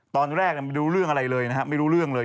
ตอนแรกไม่รู้เรื่องอะไรเลยนะฮะไม่รู้เรื่องเลย